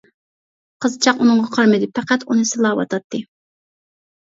قىزچاق ئۇنىڭغا قارىمىدى، پەقەت ئۇنى سىلاۋاتاتتى.